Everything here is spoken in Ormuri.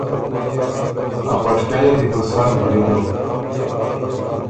ا پټکئ یه دی بو سر ورې دوک،